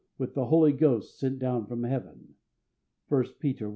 with the Holy Ghost sent down from Heaven" (1 Peter i.